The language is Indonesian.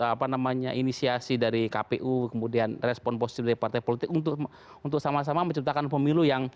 apa namanya inisiasi dari kpu kemudian respon positif dari partai politik untuk sama sama menciptakan pemilu yang